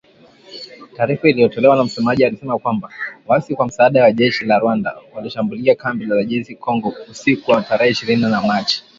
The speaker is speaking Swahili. Taarifa iliyotolewa na msemaji ilisema kwamba “waasi, kwa msaada wa jeshi la Rwanda, walishambulia kambi za jeshi Kongo usiku wa tarehe ishirini Machi ".